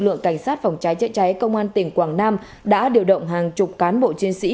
lượng cảnh sát phòng cháy chữa cháy công an tỉnh quảng nam đã điều động hàng chục cán bộ chiến sĩ